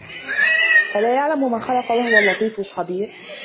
أَلا يَعلَمُ مَن خَلَقَ وَهُوَ اللَّطيفُ الخَبيرُ